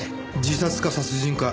自殺か殺人か。